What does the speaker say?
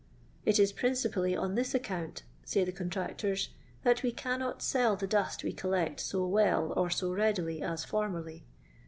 It is principally on thu aoeount, say the contractors, that we cannot sell the dust we collect so well or so readily as formerly.